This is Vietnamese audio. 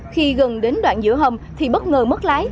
khi gần đến đoạn giữa hầm thì bất ngờ mất lái